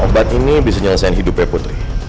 obat ini bisa nyelesaikan hidupnya putri